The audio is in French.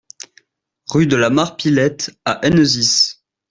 Rue de la Mare Pilette à Hennezis